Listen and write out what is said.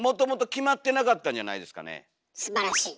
すばらしい。